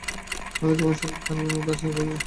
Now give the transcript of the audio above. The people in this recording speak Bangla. আমি তোমার সাথে দানবের মতো আচরণ করেছি।